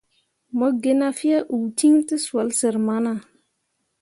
Mo ge na fyee uul ciŋ tǝsoole sər mana.